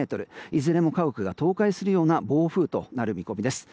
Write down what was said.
いずれも家屋が倒壊するような暴風となる見込みです。